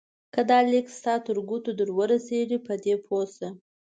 که دا لیک ستا تر ګوتو درورسېږي په دې پوه شه.